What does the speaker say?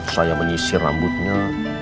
saya menyisir rambutnya